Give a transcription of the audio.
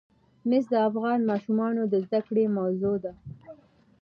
مس د افغان ماشومانو د زده کړې موضوع ده.